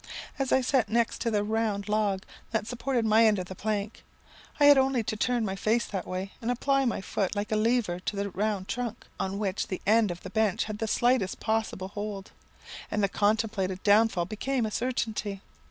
As I sat next to the round log that supported my end of the plank, I had only to turn my face that way, and apply my foot like a lever to the round trunk, on which the end of the bench had the slightest possible hold, and the contemplated downfall became a certainty.